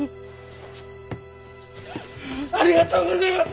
ありがとうごぜます！